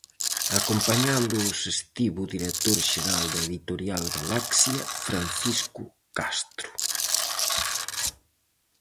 Acompañándoos estivo o director xeral da Editorial Galaxia Francisco Castro.